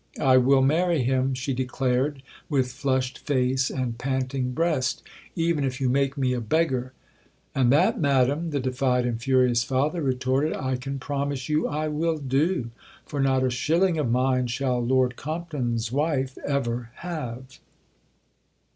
"I will marry him," she declared with flushed face and panting breast, "even if you make me a beggar." "And that, madam," the defied and furious father retorted, "I can promise you I will do; for not a shilling of mine shall Lord Compton's wife ever have."